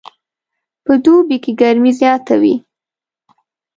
په دوبي کې ګرمي زیاته وي